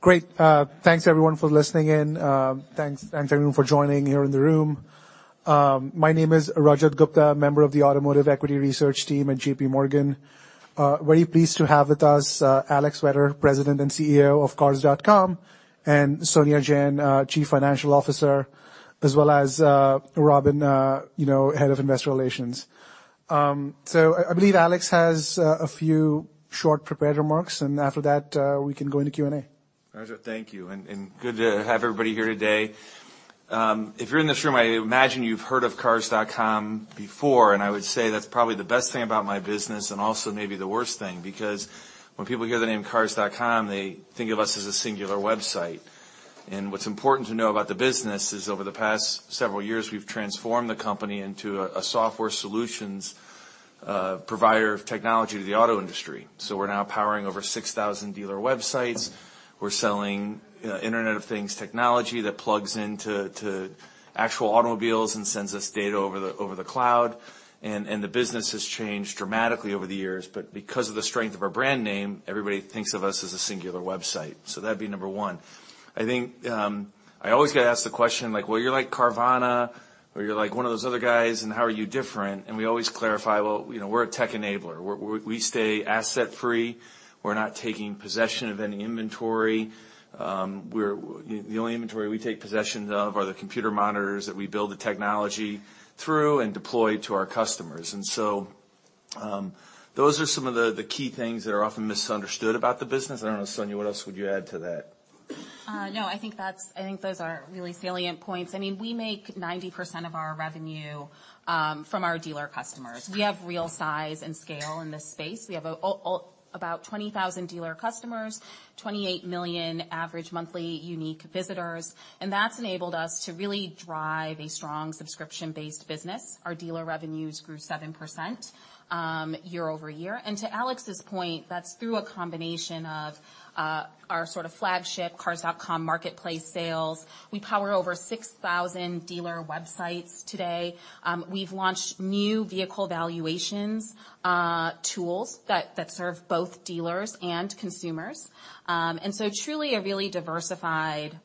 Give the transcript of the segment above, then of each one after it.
Great. Thanks everyone for listening in. Thanks everyone for joining here in the room. My name is Rajat Gupta, member of the Automotive Equity Research team at JPMorgan. Very pleased to have with us Alex Vetter, President and CEO of Cars.com, and Sonia Jain, Chief Financial Officer, as well as Robin, you know, Head of Investor Relations. I believe Alex has a few short prepared remarks, and after that, we can go into Q&A. Rajat, thank you, and good to have everybody here today. If you're in this room, I imagine you've heard of Cars.com before. I would say that's probably the best thing about my business and also maybe the worst thing because when people hear the name Cars.com, they think of us as a singular website. What's important to know about the business is over the past several years, we've transformed the company into a software solutions provider of technology to the auto industry. We're now powering over 6,000 dealer websites. We're selling Internet of Things technology that plugs into actual automobiles and sends us data over the cloud. The business has changed dramatically over the years, but because of the strength of our brand name, everybody thinks of us as a singular website. That'd be number one. I think, I always get asked the question like, "Well, you're like Carvana or you're like one of those other guys, and how are you different?" We always clarify, well, you know, we're a tech enabler. We stay asset free. We're not taking possession of any inventory. The only inventory we take possession of are the computer monitors that we build the technology through and deploy to our customers. Those are some of the key things that are often misunderstood about the business. I don't know, Sonia, what else would you add to that? no, I think those are really salient points. I mean, we make 90% of our revenue from our dealer customers. We have real size and scale in this space. We have about 20,000 dealer customers, 28 million average monthly unique visitors, and that's enabled us to really drive a strong subscription-based business. Our dealer revenues grew 7% year over year. To Alex's point, that's through a combination of our sort of flagship Cars.com marketplace sales. We power over 6,000 dealer websites today. we've launched new vehicle valuations tools that serve both dealers and consumers. truly a really diversified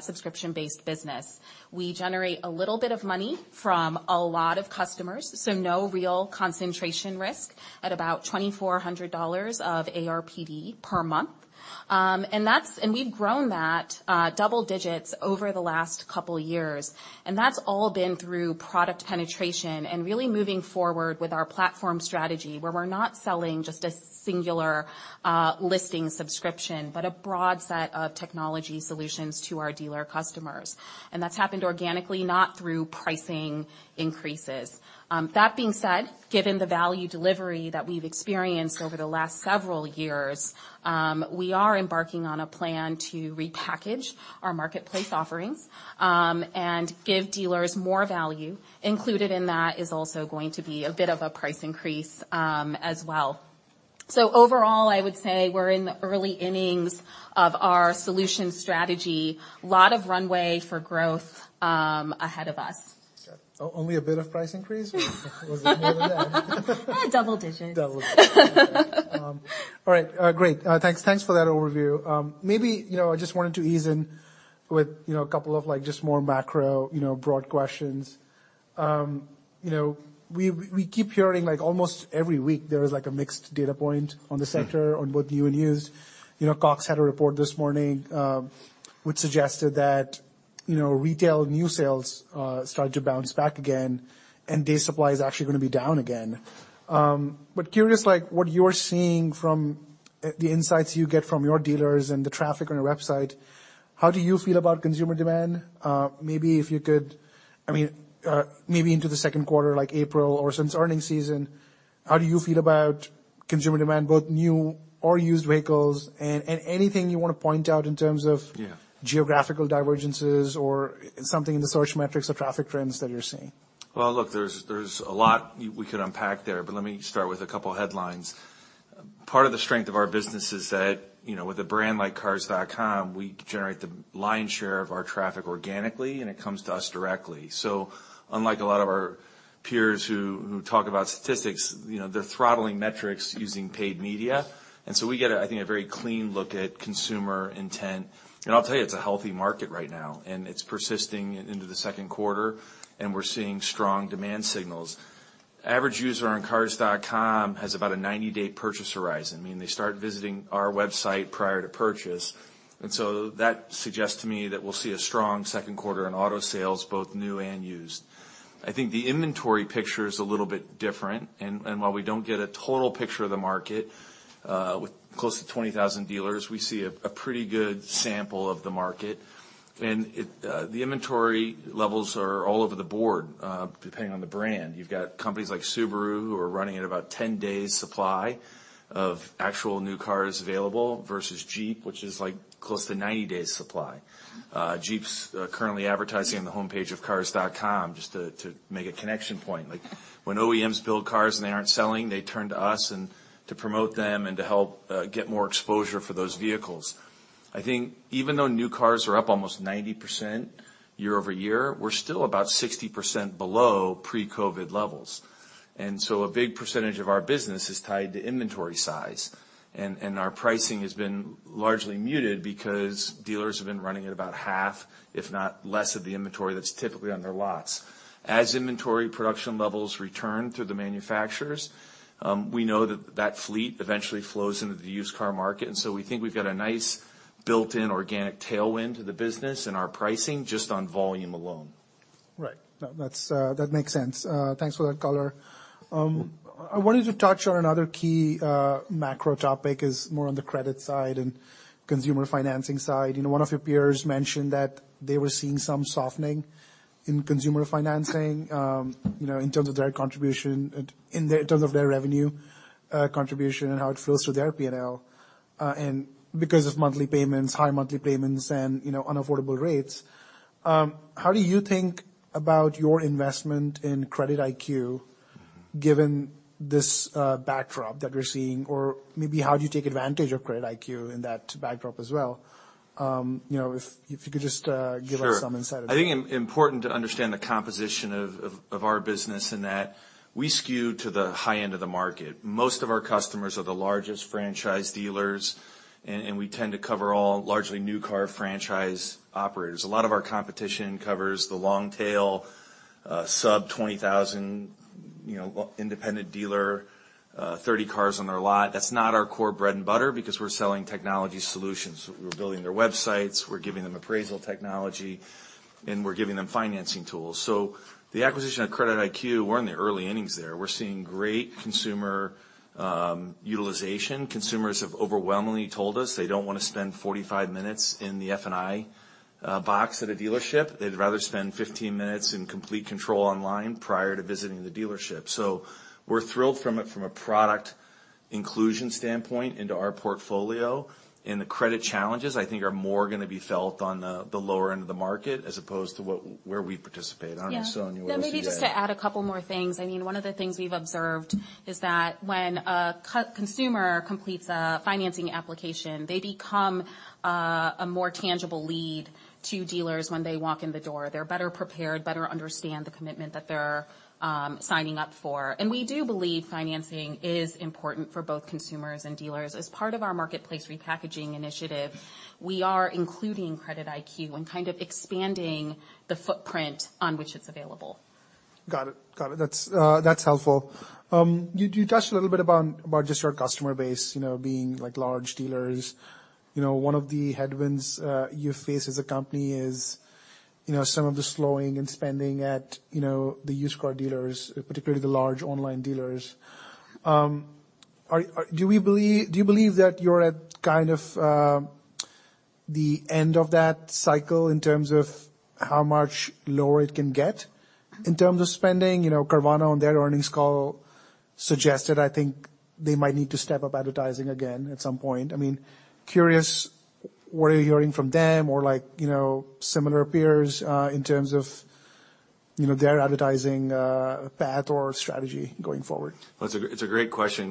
subscription-based business. We generate a little bit of money from a lot of customers, so no real concentration risk at about $2,400 of ARPD per month. We've grown that double digits over the last couple years. That's all been through product penetration and really moving forward with our platform strategy, where we're not selling just a singular listing subscription, but a broad set of technology solutions to our dealer customers. That's happened organically, not through pricing increases. That being said, given the value delivery that we've experienced over the last several years, we are embarking on a plan to repackage our marketplace offerings and give dealers more value. Included in that is also going to be a bit of a price increase as well. Overall, I would say we're in the early innings of our solution strategy. Lot of runway for growth ahead of us. Only a bit of price increase? Was it more than that? Double digits. Double digits. All right. Great. Thanks, thanks for that overview. Maybe, you know, I just wanted to ease in with, you know, a couple of, like, just more macro, you know, broad questions. You know, we keep hearing, like, almost every week, there is, like, a mixed data point on the sector on both new and used. You know, Cox had a report this morning, which suggested that, you know, retail new sales started to bounce back again and day supply is actually gonna be down again. Curious, like, what you're seeing from, the insights you get from your dealers and the traffic on your website, how do you feel about consumer demand? maybe if you could, I mean, maybe into the second quarter, like April or since earnings season, how do you feel about consumer demand, both new or used vehicles? Anything you wanna point out in terms of. Yeah... geographical divergences or something in the search metrics or traffic trends that you're seeing? Well, look, there's a lot we could unpack there, but let me start with a couple headlines. Part of the strength of our business is that, you know, with a brand like Cars.com, we generate the lion's share of our traffic organically, it comes to us directly. Unlike a lot of our peers who talk about statistics, you know, they're throttling metrics using paid media. We get a, I think, a very clean look at consumer intent. I'll tell you, it's a healthy market right now, and it's persisting into the second quarter, and we're seeing strong demand signals. Average user on Cars.com has about a 90-day purchase horizon, meaning they start visiting our website prior to purchase. That suggests to me that we'll see a strong second quarter in auto sales, both new and used. I think the inventory picture is a little bit different. While we don't get a total picture of the market, with close to 20,000 dealers, we see a pretty good sample of the market. It, the inventory levels are all over the board, depending on the brand. You've got companies like Subaru who are running at about 10 days supply of actual new cars available versus Jeep, which is, like, close to 90 days supply. Jeep's currently advertising on the homepage of Cars.com, just to make a connection point. Like, when OEMs build cars and they aren't selling, they turn to us and to promote them and to help get more exposure for those vehicles. I think even though new cars are up almost 90% year-over-year, we're still about 60% below pre-COVID levels. A big percentage of our business is tied to inventory size. Our pricing has been largely muted because dealers have been running at about half, if not less, of the inventory that's typically on their lots. As inventory production levels return to the manufacturers, we know that that fleet eventually flows into the used car market, and so we think we've got a nice built-in organic tailwind to the business and our pricing just on volume alone. Right. No, that's, that makes sense. Thanks for that color. I wanted to touch on another key macro topic. Is more on the credit side and consumer financing side. You know, one of your peers mentioned that they were seeing some softening in consumer financing, you know, in terms of their contribution, in terms of their revenue contribution and how it flows through their P&L. Because of monthly payments, high monthly payments and, you know, unaffordable rates, how do you think about your investment in CreditIQ given this backdrop that we're seeing? Maybe how do you take advantage of CreditIQ in that backdrop as well? You know, if you could just. Sure... give us some insight. I think important to understand the composition of our business in that we skew to the high end of the market. Most of our customers are the largest franchise dealers, and we tend to cover all largely new car franchise operators. A lot of our competition covers the long tail, sub $20,000, you know, independent dealer, 30 cars on their lot. That's not our core bread and butter because we're selling technology solutions. We're building their websites, we're giving them appraisal technology, and we're giving them financing tools. The acquisition of CreditIQ, we're in the early innings there. We're seeing great consumer utilization. Consumers have overwhelmingly told us they don't wanna spend 45 minutes in the F&I box at a dealership. They'd rather spend 15 minutes in complete control online prior to visiting the dealership. We're thrilled from a product inclusion standpoint into our portfolio, and the credit challenges, I think are more gonna be felt on the lower end of the market as opposed to where we participate. I don't know, Sonia, you wanna say yeah? Yeah. Well, maybe just to add a couple more things. I mean, one of the things we've observed is that when a consumer completes a financing application, they become a more tangible lead to dealers when they walk in the door. They're better prepared, better understand the commitment that they're signing up for. We do believe financing is important for both consumers and dealers. As part of our Marketplace Repackaging initiative, we are including CreditIQ and kind of expanding the footprint on which it's available. Got it. Got it. That's helpful. You, you touched a little bit about just your customer base, you know, being like large dealers. You know, one of the headwinds you face as a company is, you know, some of the slowing and spending at, you know, the used car dealers, particularly the large online dealers. Do you believe that you're at kind of the end of that cycle in terms of how much lower it can get in terms of spending? You know, Carvana on their earnings call suggested I think they might need to step up advertising again at some point. I mean, curious what are you hearing from them or like, you know, similar peers in terms of, you know, their advertising path or strategy going forward? Well, it's a great question.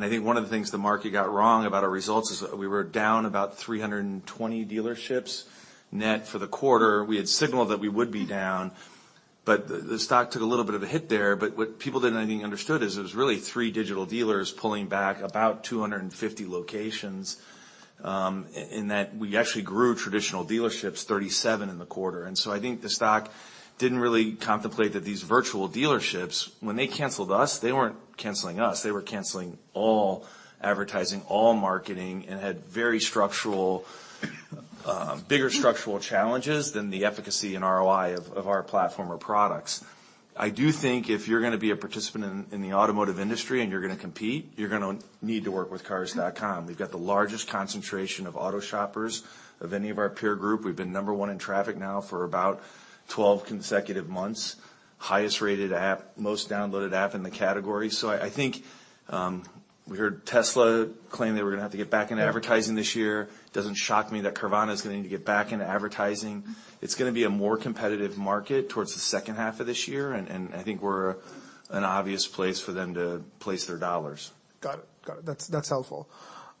I think one of the things the market got wrong about our results is we were down about 320 dealerships net for the quarter. We had signaled that we would be down, the stock took a little bit of a hit there. What people didn't I think understood is it was really three digital dealers pulling back about 250 locations, in that we actually grew traditional dealerships 37 in the quarter. I think the stock didn't really contemplate that these virtual dealerships, when they canceled us, they weren't canceling us, they were canceling all advertising, all marketing, and had very structural, bigger structural challenges than the efficacy and ROI of our platform or products. I do think if you're gonna be a participant in the automotive industry and you're gonna compete, you're gonna need to work with Cars.com. We've got the largest concentration of auto shoppers of any of our peer group. We've been number one in traffic now for about 12 consecutive months. Highest rated app, most downloaded app in the category. I think we heard Tesla claim that we're gonna have to get back into advertising this year. Doesn't shock me that Carvana is going to get back into advertising. It's gonna be a more competitive market towards the second half of this year, and I think we're an obvious place for them to place their dollars. Got it. Got it. That's, that's helpful.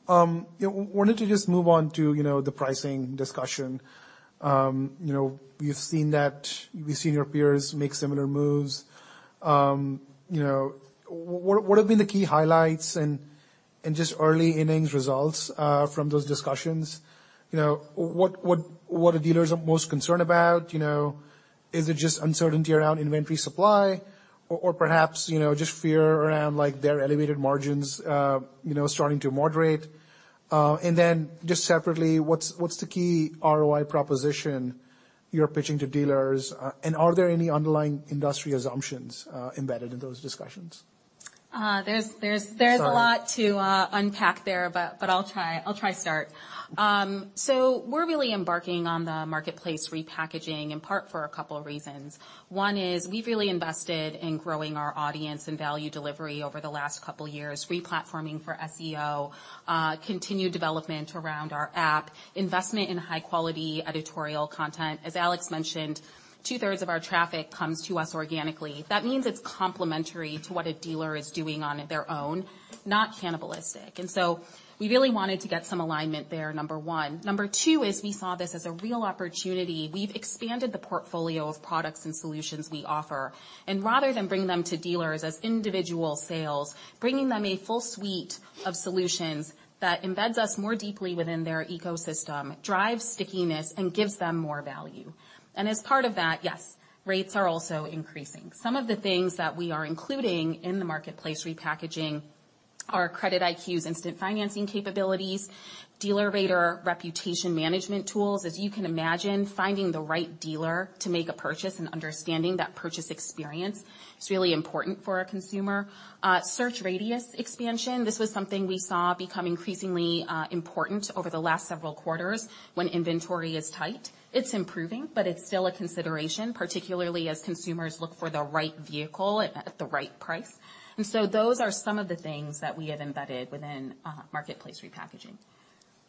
You know, wanted to just move on to, you know, the pricing discussion. You know, we've seen that, we've seen your peers make similar moves. You know, what have been the key highlights and just early innings results from those discussions? You know, what are dealers are most concerned about? You know, is it just uncertainty around inventory supply or perhaps, you know, just fear around like their elevated margins, you know, starting to moderate? Then just separately, what's the key ROI proposition you're pitching to dealers, and are there any underlying industry assumptions embedded in those discussions? There's. Sorry a lot to unpack there, but I'll try start. We're really embarking on the Marketplace Repackaging in part for a couple reasons. One is we've really invested in growing our audience and value delivery over the last couple years. Replatforming for SEO, continued development around our app, investment in high quality editorial content. As Alex mentioned, 2/3 of our traffic comes to us organically. That means it's complementary to what a dealer is doing on their own, not cannibalistic. We really wanted to get some alignment there, number one. Number two is we saw this as a real opportunity. We've expanded the portfolio of products and solutions we offer, rather than bring them to dealers as individual sales, bringing them a full suite of solutions that embeds us more deeply within their ecosystem, drives stickiness, and gives them more value. As part of that, yes, rates are also increasing. Some of the things that we are including in the Marketplace Repackaging are CreditIQ's instant financing capabilities, DealerRater reputation management tools. As you can imagine, finding the right dealer to make a purchase and understanding that purchase experience is really important for a consumer. Search radius expansion. This was something we saw become increasingly important over the last several quarters when inventory is tight. It's improving, but it's still a consideration, particularly as consumers look for the right vehicle at the right price. Those are some of the things that we have embedded within, Marketplace Repackaging.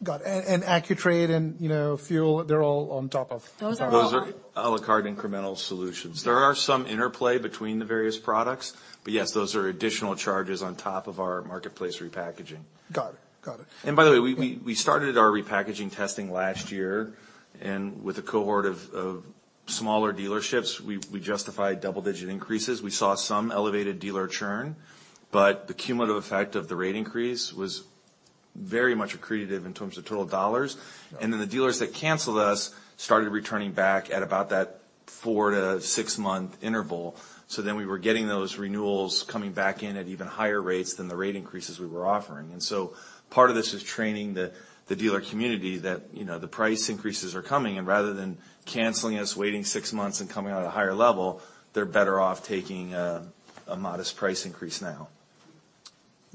Got it. AccuTrade and, you know, FUEL, they're all on top of... Those are all. Those are a la carte incremental solutions. There are some interplay between the various products. Yes, those are additional charges on top of our Marketplace Repackaging. Got it. Got it. By the way, we started our repackaging testing last year, and with a cohort of smaller dealerships, we justified double-digit increases. We saw some elevated dealer churn, but the cumulative effect of the rate increase was very much accretive in terms of total dollars. Got it. The dealers that canceled us started returning back at about that four to six-month interval, we were getting those renewals coming back in at even higher rates than the rate increases we were offering. Part of this is training the dealer community that, you know, the price increases are coming, and rather than canceling us, waiting six months and coming out at a higher level, they're better off taking a modest price increase now.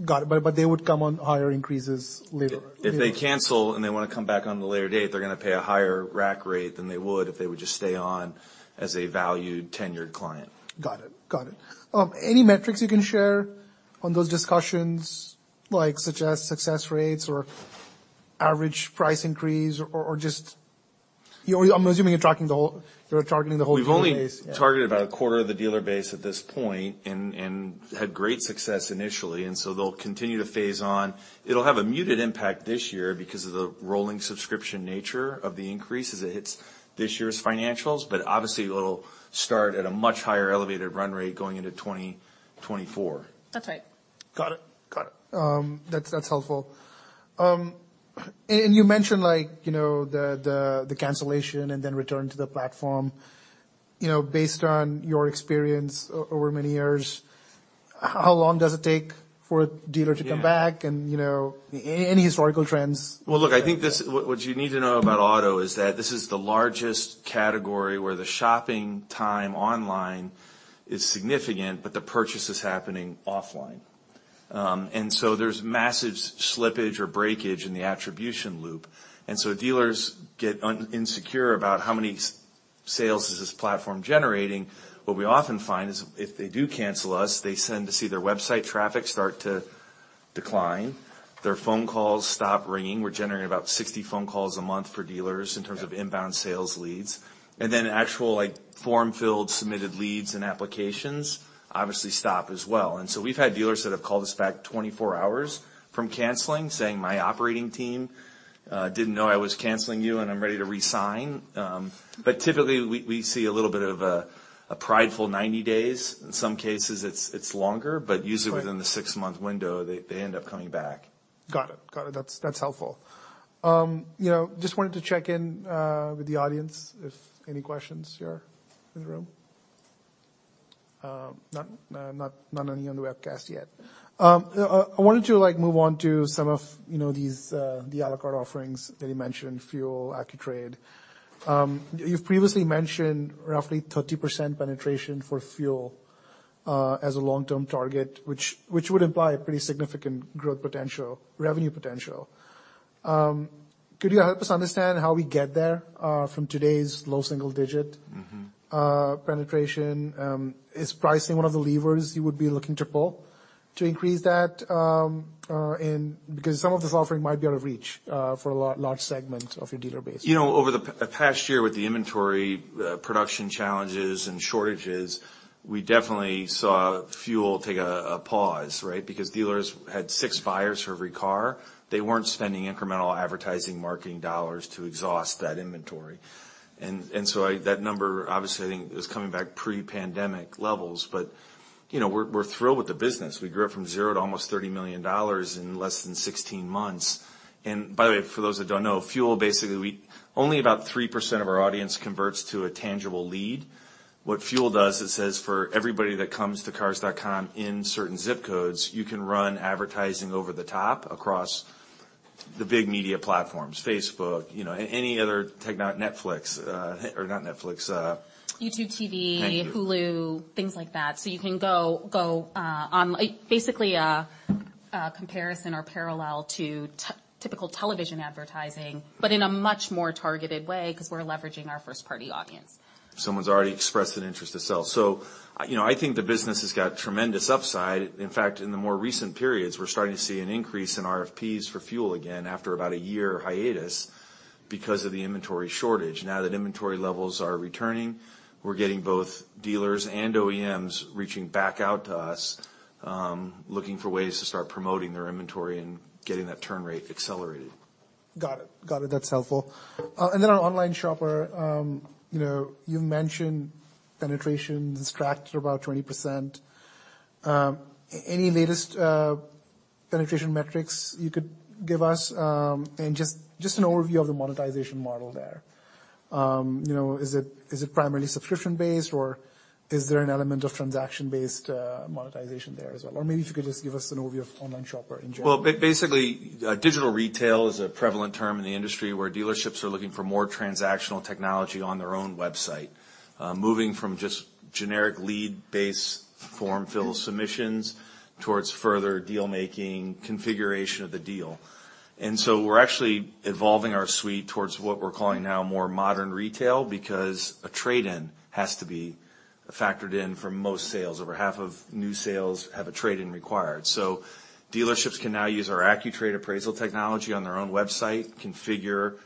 Got it. They would come on higher increases later. If they cancel and they wanna come back on at a later date, they're gonna pay a higher rack rate than they would if they would just stay on as a valued tenured client. Got it. Got it. Any metrics you can share on those discussions, like, such as success rates or average price increase or just... You know, I'm assuming you're targeting the whole dealer base? We've only targeted about a quarter of the dealer base at this point and had great success initially, and so they'll continue to phase on. It'll have a muted impact this year because of the rolling subscription nature of the increase as it hits this year's financials, but obviously it'll start at a much higher elevated run rate going into 2024. That's right. Got it. That's helpful. You mentioned like, you know, the cancellation and then return to the platform. You know, based on your experience over many years, how long does it take for a dealer to come back-? Yeah... you know, any historical trends? Well, look, I think what you need to know about auto is that this is the largest category where the shopping time online is significant, but the purchase is happening offline. There's massive slippage or breakage in the attribution loop. Dealers get un-insecure about how many sales is this platform generating. What we often find is if they do cancel us, they seem to see their website traffic start to decline, their phone calls stop ringing. We're generating about 60 phone calls a month for dealers in terms of inbound sales leads. Actual, like, form filled, submitted leads and applications obviously stop as well. We've had dealers that have called us back 24 hours from canceling, saying, "My operating team didn't know I was canceling you, and I'm ready to re-sign." Typically we see a little bit of a prideful 90 days. In some cases it's longer, but usually. Right... within the six-month window they end up coming back. Got it. Got it. That's helpful. You know, just wanted to check in with the audience if any questions here in the room. None, not any on the webcast yet. I wanted to, like, move on to some of, you know, these the a la carte offerings that you mentioned, FUEL, AccuTrade. You've previously mentioned roughly 30% penetration for FUEL as a long-term target, which would imply a pretty significant growth potential, revenue potential. Could you help us understand how we get there from today's low single digit-... penetration? Is pricing one of the levers you would be looking to pull to increase that? Because some of this offering might be out of reach for a large segment of your dealer base. You know, over the past year with the inventory, production challenges and shortages, we definitely saw Fuel take a pause, right. Dealers had six buyers for every car. They weren't spending incremental advertising marketing dollars to exhaust that inventory. That number, obviously, I think is coming back pre-pandemic levels. You know, we're thrilled with the business. We grew it from zero to almost $30 million in less than 16 months. By the way, for those that don't know, Fuel basically, only about 3% of our audience converts to a tangible lead. What Fuel does, it says for everybody that comes to Cars.com in certain zip codes, you can run advertising over the top across the big media platforms, Facebook, you know, any other techno... Netflix, or not Netflix. YouTube TV Thank you. Hulu, things like that. You can go on, like, basically a comparison or parallel to typical television advertising, but in a much more targeted way 'cause we're leveraging our first party audience. Someone's already expressed an interest to sell. You know, I think the business has got tremendous upside. In fact, in the more recent periods, we're starting to see an increase in RFPs for FUEL again after about a year hiatus because of the inventory shortage. Now that inventory levels are returning, we're getting both dealers and OEMs reaching back out to us, looking for ways to start promoting their inventory and getting that turn rate accelerated. Got it. Got it. That's helpful. Then on Online Shopper, you know, you've mentioned penetration has tracked about 20%. Any latest penetration metrics you could give us, and just an overview of the monetization model there? You know, is it, is it primarily subscription-based, or is there an element of transaction-based monetization there as well? Maybe if you could just give us an overview of Online Shopper in general. Basically, Digital Retailing is a prevalent term in the industry, where dealerships are looking for more transactional technology on their own website, moving from just generic lead-based form fill submissions towards further deal-making, configuration of the deal. We're actually evolving our suite towards what we're calling now more modern retail because a trade-in has to be factored in for most sales. Over half of new sales have a trade-in required. Dealerships can now use our AccuTrade appraisal technology on their own website, configure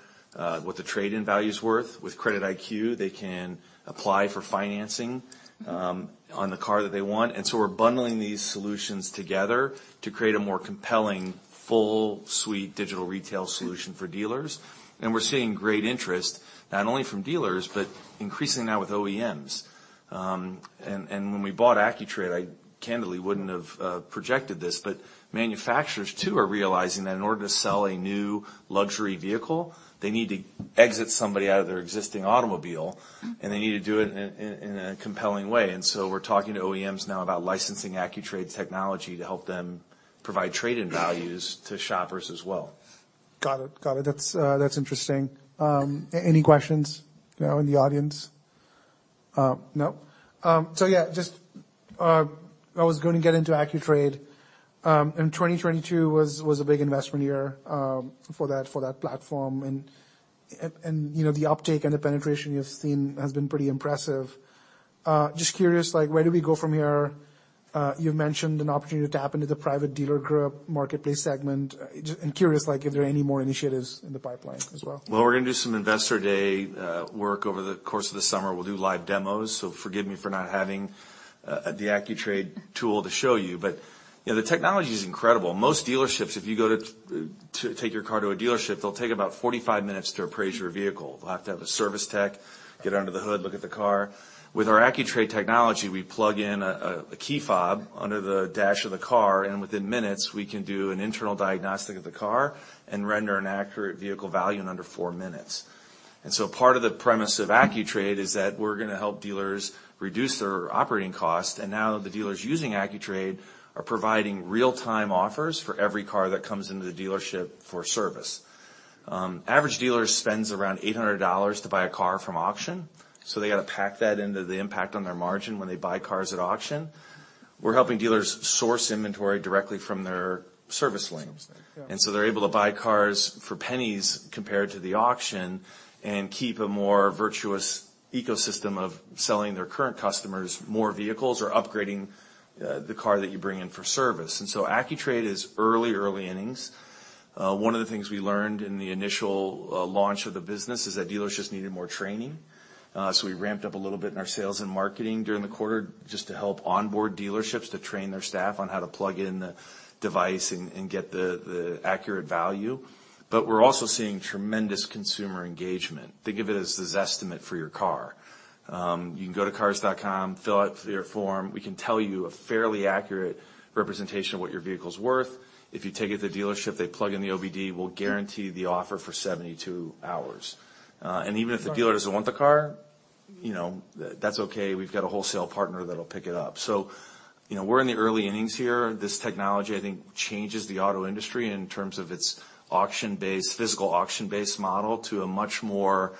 what the trade-in value's worth. With CreditIQ, they can apply for financing on the car that they want. We're bundling these solutions together to create a more compelling, full suite Digital Retailing solution for dealers. We're seeing great interest, not only from dealers, but increasingly now with OEMs. When we bought AccuTrade, I candidly wouldn't have projected this, but manufacturers too are realizing that in order to sell a new luxury vehicle, they need to exit somebody out of their existing automobile, and they need to do it in a compelling way. We're talking to OEMs now about licensing AccuTrade's technology to help them provide trade-in values to shoppers as well. Got it. Got it. That's, that's interesting. Any questions, you know, in the audience? No. Yeah, just, I was gonna get into AccuTrade. 2022 was a big investment year for that platform. You know, the uptake and the penetration you've seen has been pretty impressive. Just curious, like, where do we go from here? You've mentioned an opportunity to tap into the private dealer group marketplace segment. I'm curious, like, if there are any more initiatives in the pipeline as well. We're gonna do some investor day work over the course of the summer. We'll do live demos, so forgive me for not having the AccuTrade tool to show you. You know, the technology's incredible. Most dealerships, if you go to take your car to a dealership, they'll take about 45 minutes to appraise your vehicle. They'll have to have a service tech get under the hood, look at the car. With our AccuTrade technology, we plug in a key fob under the dash of the car, and within minutes, we can do an internal diagnostic of the car and render an accurate vehicle value in under four minutes. Part of the premise of AccuTrade is that we're gonna help dealers reduce their operating cost, and now the dealers using AccuTrade are providing real-time offers for every car that comes into the dealership for service. Average dealer spends around $800 to buy a car from auction, so they gotta pack that into the impact on their margin when they buy cars at auction. We're helping dealers source inventory directly from their service lanes. Yeah. They're able to buy cars for pennies compared to the auction and keep a more virtuous ecosystem of selling their current customers more vehicles or upgrading the car that you bring in for service. AccuTrade is early innings. One of the things we learned in the initial launch of the business is that dealers just needed more training. We ramped up a little bit in our sales and marketing during the quarter just to help onboard dealerships to train their staff on how to plug in the device and get the accurate value. We're also seeing tremendous consumer engagement. Think of it as the Zestimate for your car. You can go to Cars.com, fill out their form. We can tell you a fairly accurate representation of what your vehicle's worth. If you take it to the dealership, they plug in the OBD, we'll guarantee the offer for 72 hours. Even if the dealer doesn't want the car, you know, that's okay. We've got a wholesale partner that'll pick it up. You know, we're in the early innings here. This technology, I think, changes the auto industry in terms of its auction-based, physical auction-based model to a much more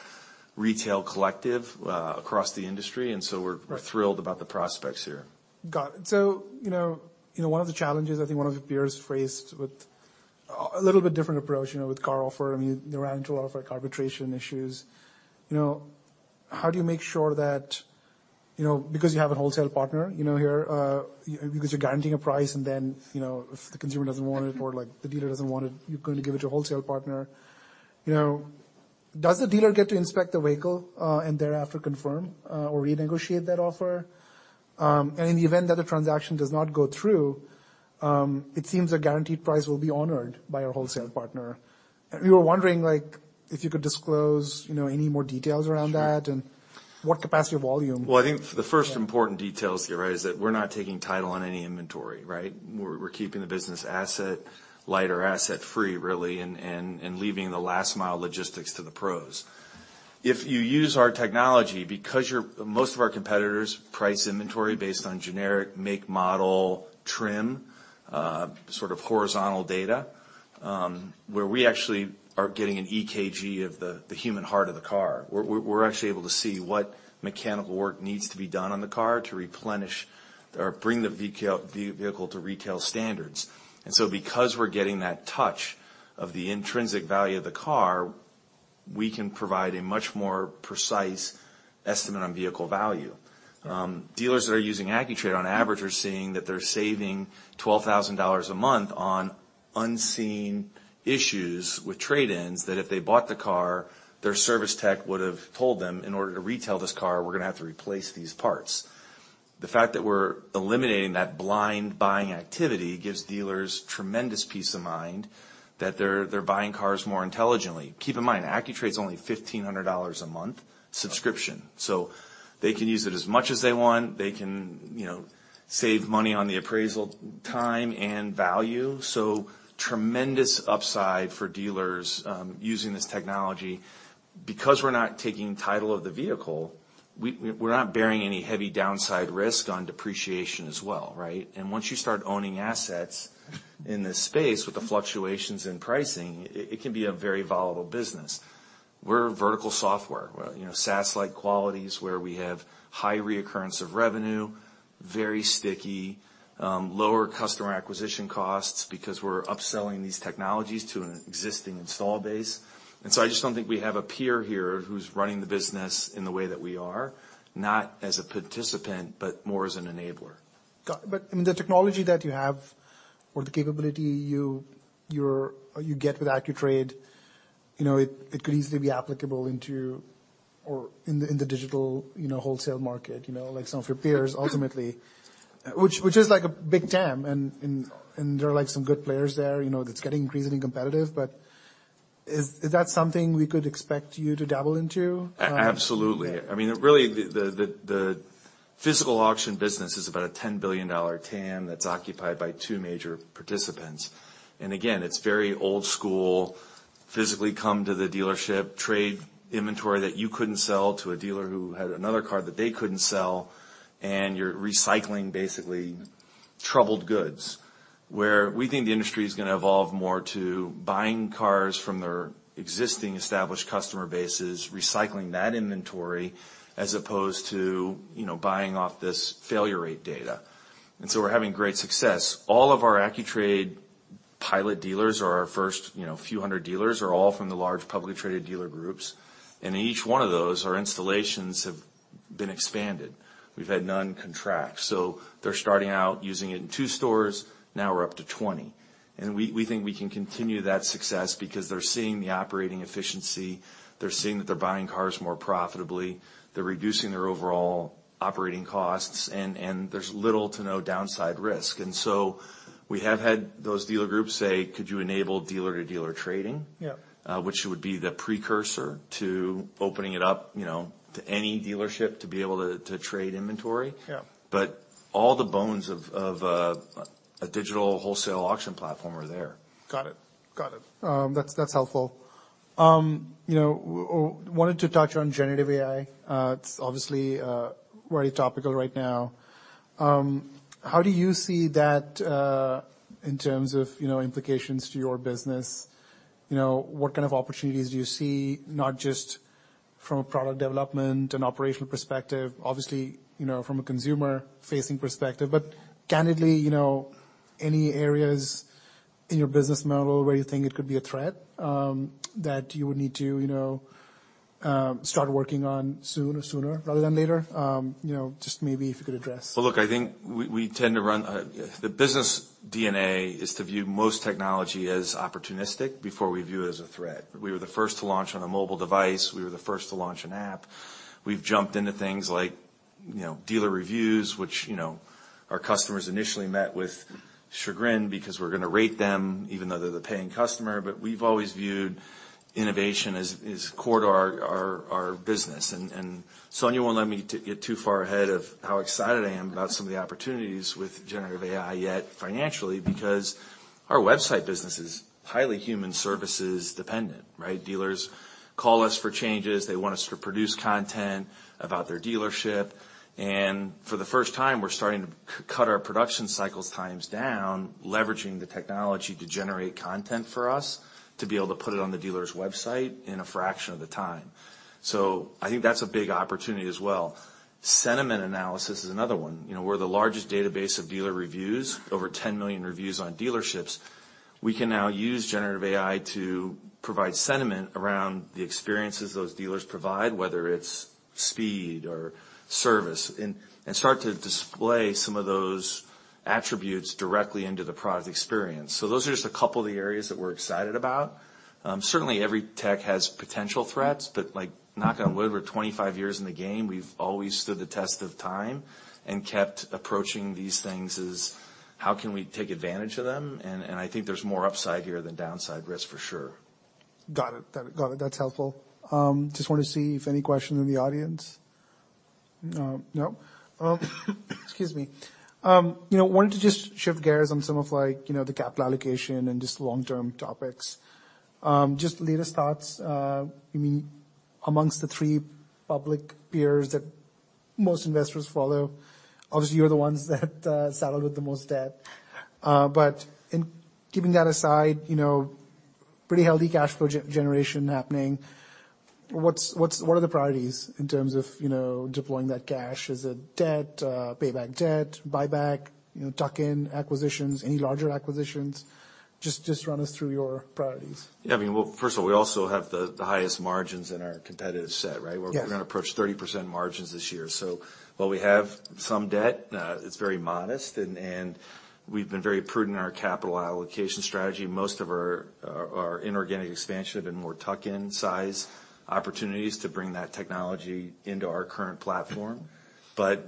retail collective across the industry, we're thrilled about the prospects here. Got it. You know, one of the challenges, I think one of the peers faced with a little bit different approach, you know, with CarOffer. I mean, they ran into a lot of, like, arbitration issues. You know, how do you make sure that, you know, because you have a wholesale partner, you know, here, because you're guaranteeing a price and then, you know, if the consumer doesn't want it or, like, the dealer doesn't want it, you're going to give it to a wholesale partner. You know, does the dealer get to inspect the vehicle and thereafter confirm or renegotiate that offer? In the event that the transaction does not go through, it seems a guaranteed price will be honored by your wholesale partner. We were wondering, like, if you could disclose, you know, any more details around that? Sure. What capacity of volume? I think the first important detail is there is that we're not taking title on any inventory, right? We're keeping the business asset light or asset free really and leaving the last mile logistics to the pros. If you use our technology, because Most of our competitors price inventory based on generic make, model, trim, sort of horizontal data, where we actually are getting an EKG of the human heart of the car. We're actually able to see what mechanical work needs to be done on the car to replenish or bring the vehicle to retail standards. Because we're getting that touch of the intrinsic value of the car, we can provide a much more precise estimate on vehicle value. Dealers that are using AccuTrade on average are seeing that they're saving $12,000 a month on unseen issues with trade-ins, that if they bought the car, their service tech would've told them, "In order to retail this car, we're gonna have to replace these parts." The fact that we're eliminating that blind buying activity gives dealers tremendous peace of mind that they're buying cars more intelligently. Keep in mind, AccuTrade's only $1,500 a month subscription, they can use it as much as they want. They can, you know, save money on the appraisal time and value. Tremendous upside for dealers using this technology. We're not taking title of the vehicle, we're not bearing any heavy downside risk on depreciation as well, right? Once you start owning assets in this space with the fluctuations in pricing, it can be a very volatile business. We're a vertical software. Well, you know, SaaS-like qualities where we have high reoccurrence of revenue, very sticky, lower customer acquisition costs because we're upselling these technologies to an existing install base. I just don't think we have a peer here who's running the business in the way that we are, not as a participant, but more as an enabler. Got it. I mean, the technology that you have or the capability you get with AccuTrade, you know, it could easily be applicable into or in the digital, you know, wholesale market, you know, like some of your peers ultimately, which is like a big TAM and there are like some good players there, you know, that's getting increasingly competitive, but is that something we could expect you to dabble into? Absolutely. I mean, really, the physical auction business is about a $10 billion TAM that's occupied by two major participants. Again, it's very old school, physically come to the dealership, trade inventory that you couldn't sell to a dealer who had another car that they couldn't sell, and you're recycling basically troubled goods. Where we think the industry is gonna evolve more to buying cars from their existing established customer bases, recycling that inventory, as opposed to, you know, buying off this failure rate data. We're having great success. All of our Accu-Trade pilot dealers or our first, you know, few hundred dealers are all from the large publicly traded dealer groups. In each one of those, our installations have been expanded. We've had none contract. They're starting out using it in two stores, now we're up to 20. We think we can continue that success because they're seeing the operating efficiency, they're seeing that they're buying cars more profitably, they're reducing their overall operating costs, and there's little to no downside risk. We have had those dealer groups say, "Could you enable dealer-to-dealer trading? Yeah. Which would be the precursor to opening it up, you know, to any dealership to be able to trade inventory. Yeah. all the bones of a digital wholesale auction platform are there. Got it. Got it. That's helpful. You know, wanted to touch on generative AI. It's obviously very topical right now. How do you see that in terms of, you know, implications to your business? You know, what kind of opportunities do you see, not just from a product development and operational perspective, obviously, you know, from a consumer-facing perspective, but candidly, you know, any areas in your business model where you think it could be a threat that you would need to, you know, start working on soon or sooner rather than later? You know, just maybe if you could address. Well, look, I think we tend to run. The business DNA is to view most technology as opportunistic before we view it as a threat. We were the first to launch on a mobile device. We were the first to launch an app. We've jumped into things like, you know, dealer reviews, which, you know, our customers initially met with chagrin because we're gonna rate them even though they're the paying customer. We've always viewed innovation as core to our business. Sonia won't let me get too far ahead of how excited I am about some of the opportunities with generative AI yet financially because our website business is highly human services dependent, right? Dealers call us for changes. They want us to produce content about their dealership. For the first time, we're starting to cut our production cycles times down, leveraging the technology to generate content for us to be able to put it on the dealer's website in a fraction of the time. I think that's a big opportunity as well. Sentiment analysis is another one. You know, we're the largest database of dealer reviews, over 10 million reviews on dealerships. We can now use generative AI to provide sentiment around the experiences those dealers provide, whether it's speed or service, and start to display some of those attributes directly into the product experience. Those are just a couple of the areas that we're excited about. Certainly every tech has potential threats, but like, knock on wood, we're 25 years in the game, we've always stood the test of time and kept approaching these things as, how can we take advantage of them? I think there's more upside here than downside risk for sure. Got it. Got it. That's helpful. Just want to see if any questions in the audience. Excuse me. You know, wanted to just shift gears on some of like, you know, the capital allocation and just long-term topics. Just latest thoughts, I mean, amongst the three public peers that most investors follow, obviously you're the ones that, saddled with the most debt. In keeping that aside, you know, pretty healthy cash flow generation happening. What are the priorities in terms of, you know, deploying that cash? Is it debt, pay back debt, buyback, you know, tuck-in acquisitions, any larger acquisitions? Run us through your priorities. Yeah. I mean, well, first of all, we also have the highest margins in our competitive set, right? Yes. We're gonna approach 30% margins this year. While we have some debt, it's very modest and we've been very prudent in our capital allocation strategy. Most of our inorganic expansion have been more tuck-in size opportunities to bring that technology into our current platform.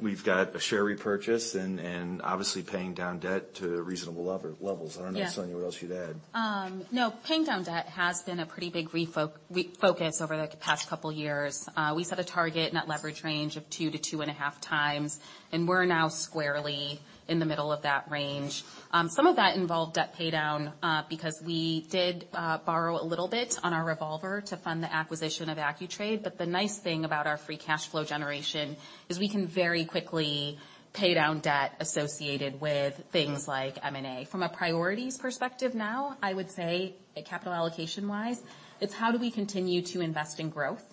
We've got a share repurchase and obviously paying down debt to reasonable levels. Yeah. I don't know, Sonia, what else you'd add. Paying down debt has been a pretty big refocus over the past couple years. We set a target net leverage range of 2 to 2.5 times, and we're now squarely in the middle of that range. Some of that involved debt pay down, because we did borrow a little bit on our revolver to fund the acquisition of AccuTrade. The nice thing about our free cash flow generation is we can very quickly pay down debt associated with things like M&A. From a priorities perspective now, I would say, capital allocation-wise, it's how do we continue to invest in growth?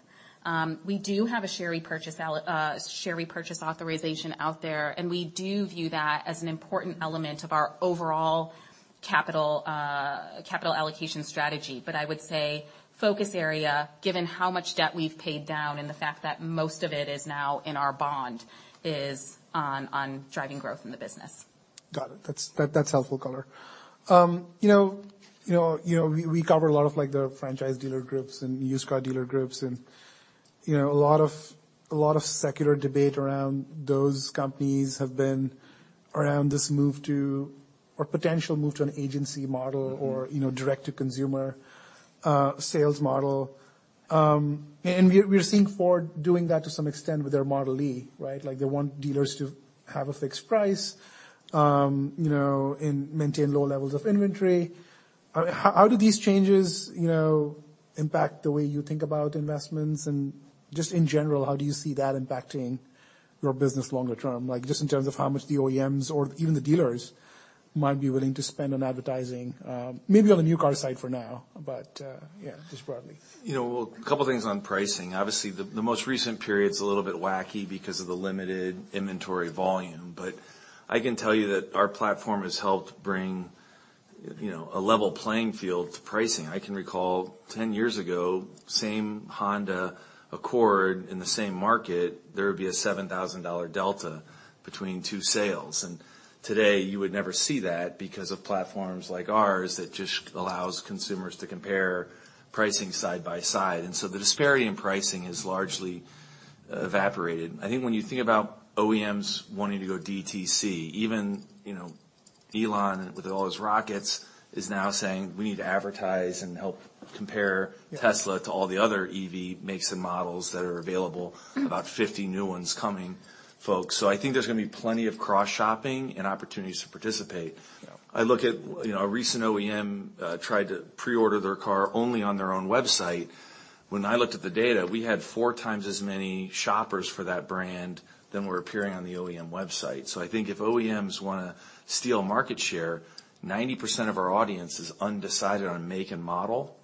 We do have a share repurchase authorization out there, and we do view that as an important element of our overall capital allocation strategy. I would say focus area, given how much debt we've paid down and the fact that most of it is now in our bond, is on driving growth in the business. Got it. That's, that's helpful color. You know, we cover a lot of, like, the franchise dealer groups and used car dealer groups and, you know, a lot of secular debate around those companies have been around this move to or potential move to an agency model. Mm-hmm. you know, direct to consumer sales model. We're seeing Ford doing that to some extent with their Model e, right? Like, they want dealers to have a fixed price, you know, and maintain low levels of inventory. How do these changes, you know, impact the way you think about investments and just in general, how do you see that impacting your business longer term? Like, just in terms of how much the OEMs or even the dealers might be willing to spend on advertising, maybe on the new car side for now, but, yeah, just broadly. You know, well, a couple things on pricing. Obviously, the most recent period's a little bit wacky because of the limited inventory volume. I can tell you that our platform has helped bring, you know, a level playing field to pricing. I can recall 10 years ago, same Honda Accord in the same market, there would be a $7,000 delta between two sales. Today you would never see that because of platforms like ours that just allows consumers to compare pricing side by side. The disparity in pricing has largely evaporated. I think when you think about OEMs wanting to go DTC, even, you know, Elon with all his rockets is now saying, "We need to advertise and help compare Tesla to all the other EV makes and models that are available." About 50 new ones coming, folks. I think there's going to be plenty of cross-shopping and opportunities to participate. Yeah. I look at, you know, a recent OEM tried to pre-order their car only on their own website. When I looked at the data, we had 4 times as many shoppers for that brand than were appearing on the OEM website. I think if OEMs wanna steal market share, 90% of our audience is undecided on make and model.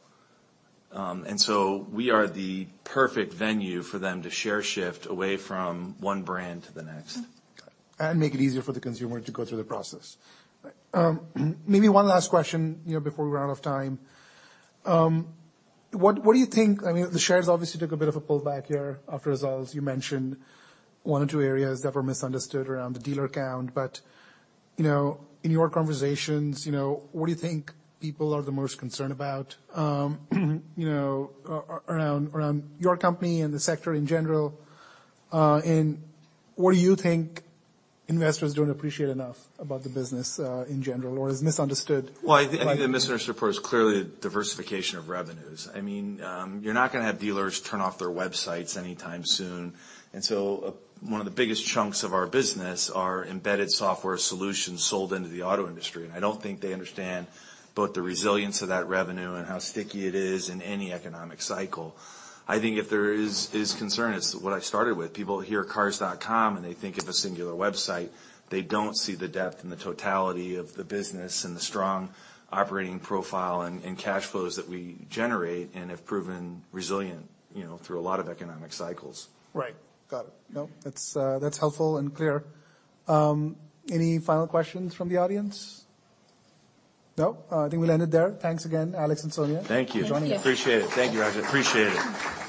We are the perfect venue for them to share shift away from one brand to the next. Mm-hmm. Got it. Make it easier for the consumer to go through the process. Maybe one last question, you know, before we run out of time. What do you think... I mean, the shares obviously took a bit of a pullback here after, as you mentioned, one or two areas that were misunderstood around the dealer count. You know, in your conversations, you know, what do you think people are the most concerned about, you know, around your company and the sector in general? What do you think investors don't appreciate enough about the business, in general or is misunderstood? Well, I think the misunderstanding part is clearly the diversification of revenues. I mean, you're not gonna have dealers turn off their websites anytime soon. One of the biggest chunks of our business are embedded software solutions sold into the auto industry. I don't think they understand both the resilience of that revenue and how sticky it is in any economic cycle. I think if there is concern, it's what I started with. People hear Cars.com, and they think of a singular website. They don't see the depth and the totality of the business and the strong operating profile and cash flows that we generate and have proven resilient, you know, through a lot of economic cycles. Right. Got it. That's helpful and clear. Any final questions from the audience? I think we'll end it there. Thanks again, Alex and Sonia. Thank you. Thank you. Appreciate it. Thank you, Rajat. Appreciate it.